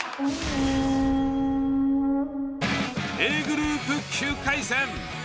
Ａグループ９回戦。